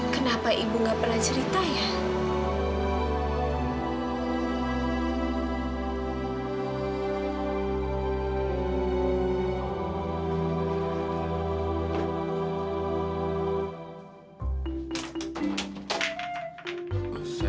kenapa ibu nggak pernah cerita ya